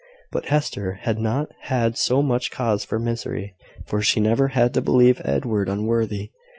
But Hester had not had so much cause for misery, for she never had to believe Edward unworthy.